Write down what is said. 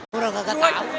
harusnya juga tahu